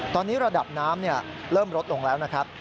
ตอนนี้ระดับน้ำเริ่มลดลงแล้วนะครับ